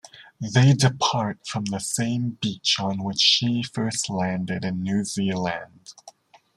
They depart from the same beach on which she first landed in New Zealand.